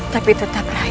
tapi tetap rai